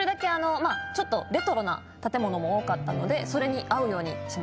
まぁちょっとレトロな建物も多かったのでそれに合うようにしました。